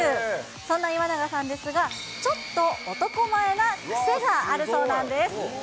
そんな岩永さんですが、ちょっと男前な癖があるそうなんです。